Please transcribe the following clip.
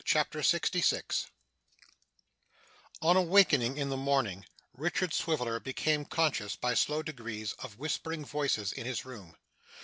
CHAPTER 66 On awaking in the morning, Richard Swiveller became conscious, by slow degrees, of whispering voices in his room.